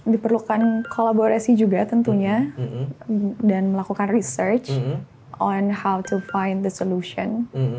diperlukan kolaborasi juga tentunya dan melakukan research on health to fine the solution